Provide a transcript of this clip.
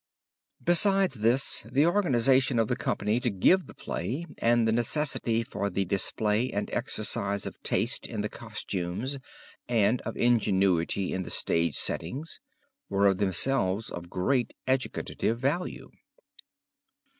Besides this, the organization of the company to give the play and the necessity for the display and exercise of taste in the costumes and of ingenuity in the stage settings, were of themselves of great educative value.